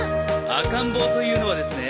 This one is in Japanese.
赤ん坊というのはですね